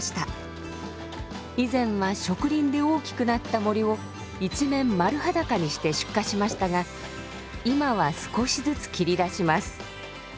以前は植林で大きくなった森を一面丸裸にして出荷しましたが今は少しずつ切り出します。